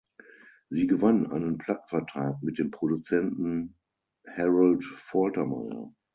Sie gewann einen Plattenvertrag mit dem Produzenten Harold Faltermeyer.